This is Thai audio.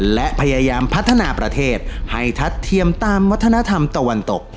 และพยายามพัฒนาประเทศให้ทัดเทียมตามวัฒนธรรมตะวันตก